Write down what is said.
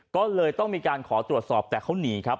ก็เลยต้องมีการขอตรวจสอบแต่เขาหนีครับ